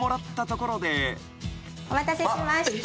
お待たせしました。